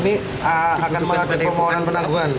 ini akan mengatur permohonan penangguhan